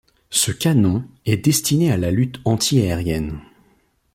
Ce canon est destiné à la lutte anti-aérienne.